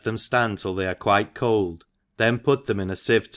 them ftand till they are quite cold, then put them in a lieve.